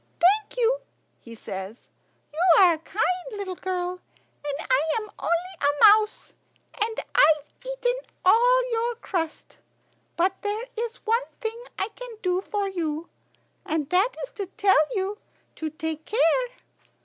"Thank you," he says; "you are a kind little girl, and I am only a mouse, and I've eaten all your crust. But there is one thing I can do for you, and that is to tell you to take care.